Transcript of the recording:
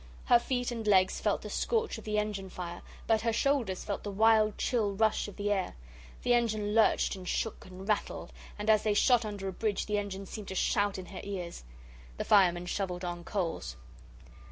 Her feet and legs felt the scorch of the engine fire, but her shoulders felt the wild chill rush of the air. The engine lurched and shook and rattled, and as they shot under a bridge the engine seemed to shout in her ears. The fireman shovelled on coals.